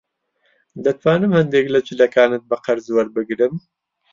دەتوانم هەندێک لە جلەکانت بە قەرز وەربگرم؟